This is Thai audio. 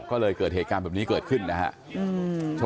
ก็เลยเกิดเหตุการณ์แบบนี้เกิดขึ้นนะครับ